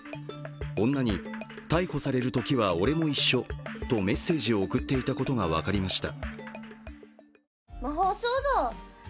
女に逮捕されるときは俺も一緒とメッセージを送っていたことが分かりました。